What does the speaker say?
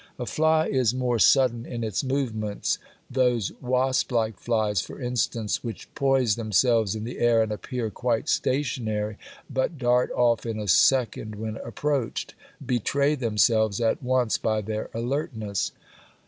A fly is more sudden in its movements those wasp like flies, for instance, which poise themselves in the air and appear quite stationary but dart off in a second when approached, betray themselves at once by their alertness.